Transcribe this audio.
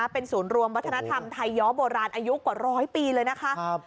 เป็นศูนย์รวมวัฒนธรรมไทยย้อโบราณอายุกว่าร้อยปีเลยนะคะ